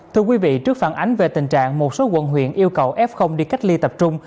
thưa quý vị trước phản ánh về tình trạng một số quận huyện yêu cầu f đi cách ly tập trung